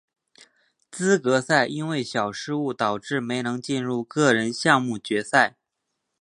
资格赛因为小失误导致没能进入个人项目决赛。